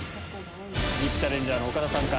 ＶＩＰチャレンジャーの岡田さんか？